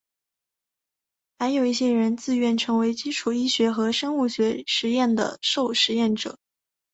还有一些人自愿成为基础医学和生物学实验的受实验者。